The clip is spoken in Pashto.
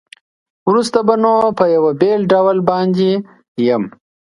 وروسته به نو په یوه بېل ډول باندې یم.